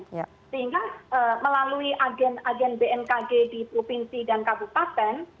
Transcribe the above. sehingga melalui agen agen bmkg di provinsi dan kabupaten